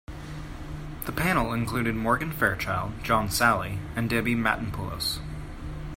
The panel included Morgan Fairchild, John Salley, and Debbie Matenopoulos.